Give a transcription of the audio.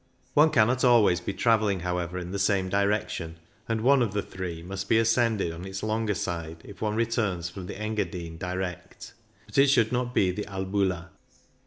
One cannot always be travelling, however, in the same direction, and one of the three must be ascended on its longer side if one returns from the Engadine direct But it should not be the Albula.